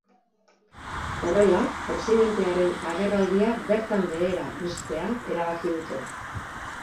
Horrela, presidentearen agerraldia bertan behera uztea erabaki dute.